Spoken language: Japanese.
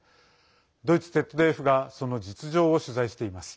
ドイツＺＤＦがその実情を取材しています。